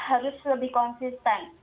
harus lebih konsisten